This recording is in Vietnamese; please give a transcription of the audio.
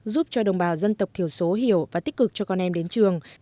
giúp cho đồng bào dân tộc thiểu số hiểu và tích cực cho con em đến trường